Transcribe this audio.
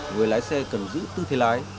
người lái xe cần giữ tư thế lái